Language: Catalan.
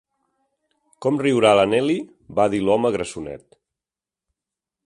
"Com riurà la Nellie," va dir l'home grassonet.